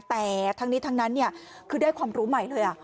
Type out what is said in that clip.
แต่ทั้งนี้ทั้งนั้นคือได้ความรู้ใหม่เลย